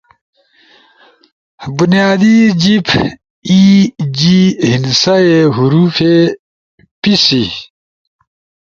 بنیادی جیِب [ای۔ جی۔ ہندسہ ئی، حروفے، پیسی]